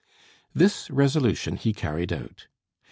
This resolution he carried out.